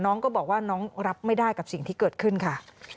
น้องก็บอกว่าน้องรับไม่ได้กับสิ่งที่เกิดขึ้นค่ะ